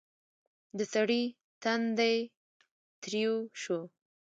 د سړي تندی تريو شو: